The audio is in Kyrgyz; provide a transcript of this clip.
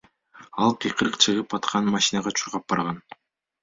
Ал кыйкырык чыгып аткан машинага чуркап барган.